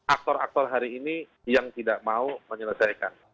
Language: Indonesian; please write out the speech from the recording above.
aktor aktor hari ini yang tidak mau menyelesaikan